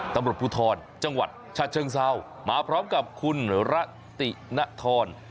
ตำรวจภูทรจังหวัดชาติเชิงเศร้ามาพร้อมกับคุณระตินทร